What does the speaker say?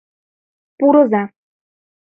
Пурыза!